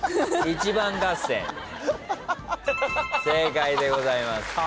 正解でございます。